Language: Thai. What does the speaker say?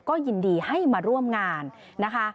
ก็ยินดีให้มาร่วมงานนะคะ